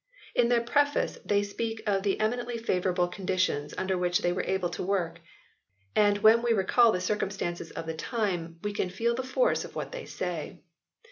In their preface they speak of the eminently favourable conditions under which they were able to work. And when we recall the circum stances of the time we can feel the force of what they say.